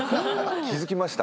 気付きました？